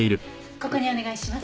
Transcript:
ここにお願いします。